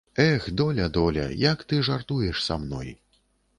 Эх, доля, доля, як ты жартуеш са мной.